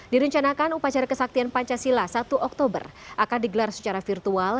direncanakan upacara kesaktian pancasila satu oktober akan digelar secara virtual